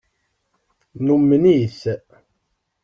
Numen-it.